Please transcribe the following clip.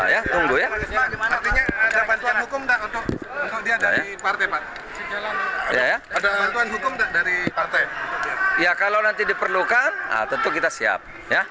ya kalau nanti diperlukan tentu kita siap